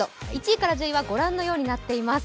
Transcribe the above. １位から１０位は御覧のようになっています。